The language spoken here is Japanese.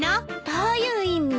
どういう意味？